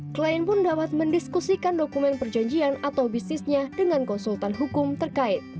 klien pun dapat mendiskusikan dokumen perjanjian atau bisnisnya dengan konsultan hukum terkait